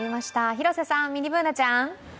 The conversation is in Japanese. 広瀬さん、ミニＢｏｏｎａちゃん。